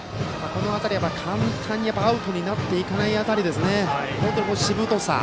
簡単にアウトになっていかない辺りは本当にしぶとさ。